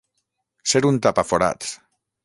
Ser un tapaforats.